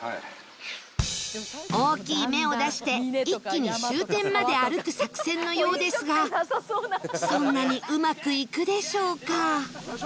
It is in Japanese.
大きい目を出して一気に終点まで歩く作戦のようですがそんなにうまくいくでしょうか？